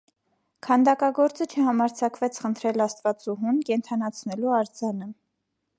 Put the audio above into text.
Քանդակագործը չհամարձակվեց խնդրել աստվածուհուն՝ կենդանացնելու արձանը։